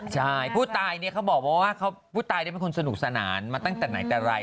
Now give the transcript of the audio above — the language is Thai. ใช่ผู้ตายเนี่ยเขาบอกว่าผู้ตายเป็นคนสนุกสนานมาตั้งแต่ไหนแต่ไร